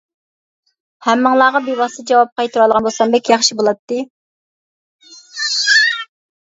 ھەممىڭلارغا بىۋاسىتە جاۋاب قايتۇرالىغان بولسام بەك ياخشى بولاتتى.